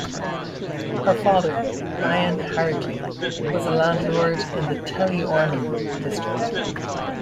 Her father, Ion Haricli, was a landlord in the Teleorman district.